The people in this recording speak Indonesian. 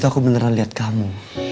tadi aku beneran liat kamu